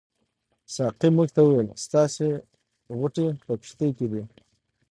ساقي موږ ته وویل ستاسې غوټې په کښتۍ کې دي.